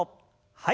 はい。